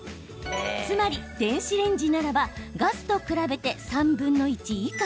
つまり、電子レンジならばガスと比べて３分の１以下。